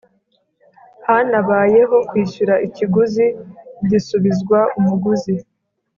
hanabayeho kwishyura ikiguzi gisubizwa umuguzi